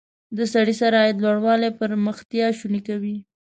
د سړي سر عاید لوړوالی پرمختیا شونې کوي.